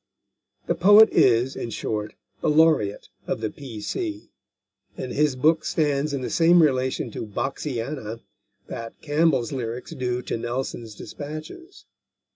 The poet is, in short, the laureate of the P.C., and his book stands in the same relation to Boxiana that Campbell's lyrics do to Nelson's despatches.